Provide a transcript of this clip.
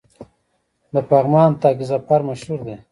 د پغمان طاق ظفر مشهور دی